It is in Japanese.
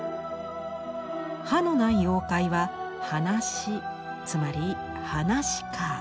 歯のない妖怪は「歯なし」つまり「はなし家」。